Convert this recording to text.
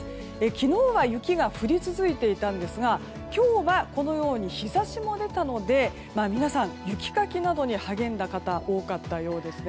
昨日は雪が降り続いていたんですが今日は日差しも出たので皆さん、雪かきなどに励んだ方、多かったようですね。